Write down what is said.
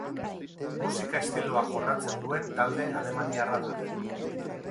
Musika estiloa jorratzen duen talde alemaniarra da.